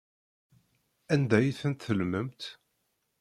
Anda ay tent-tellmemt?